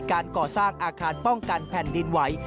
การก่อสร้างอาคารป้องกันแผ่นดินไหว